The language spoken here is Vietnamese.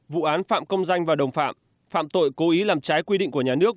vụ án phạm công danh và đồng phạm phạm tội cố ý làm trái quy định của nhà nước